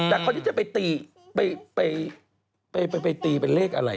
แต่พอที่จะไปตีไปตีเป็นเลขอะไร